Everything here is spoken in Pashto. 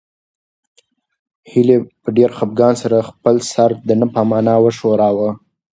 هیلې په ډېر خپګان سره خپل سر د نه په مانا وښوراوه.